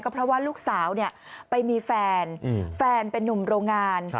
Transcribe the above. เพราะว่าลูกสาวไปมีแฟนแฟนเป็นนุ่มโรงงาน